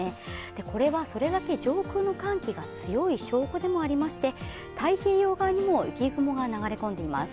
これはそれだけ上空の寒気が強い証拠でもありまして太平洋側にも雪雲が流れ込んでいます。